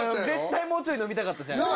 絶対もうちょい飲みたかったです。